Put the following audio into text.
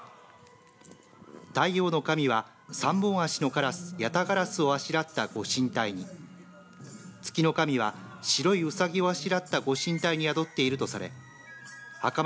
太陽の神は３本足のからすやたがらすをあしらったご神体に月の神は白いうさぎをあしらったご神体に宿っているとされはかま